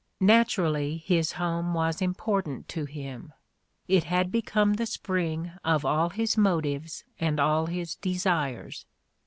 Naturally his home was important ta him ; it had become the spring of all his motives and all his desires.